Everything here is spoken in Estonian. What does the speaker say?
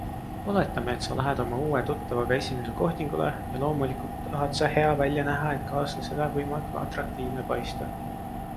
Oletame, et sa lähed oma uue tuttavaga esimesele kohtingule ja loomulikult tahad sa hea välja näha, et kaaslasele võimalikult atraktiivne paista.